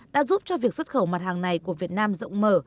đã giúp cho việc xuất khẩu mặt hàng này của việt nam rộng mở